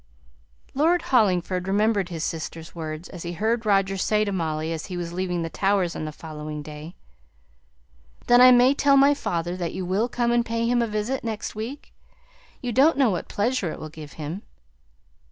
Lord Hollingford remembered his sister's words as he heard Roger say to Molly as he was leaving the Towers on the following day, "Then I may tell my father that you will come and pay him a visit next week? You don't know what pleasure it will give him."